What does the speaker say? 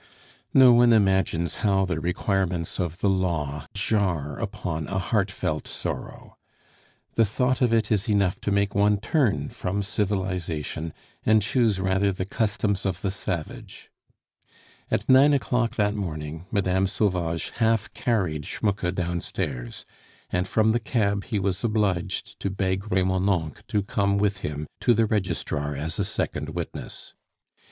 No one imagines how the requirements of the law jar upon a heartfelt sorrow. The thought of it is enough to make one turn from civilization and choose rather the customs of the savage. At nine o'clock that morning Mme. Sauvage half carried Schmucke downstairs, and from the cab he was obliged to beg Remonencq to come with him to the registrar as a second witness.